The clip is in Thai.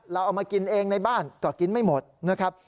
เอามากินเองในบ้านก็กินไม่หมดนะครับ